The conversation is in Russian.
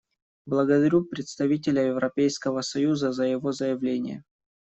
Благодарю представителя Европейского союза за его заявление.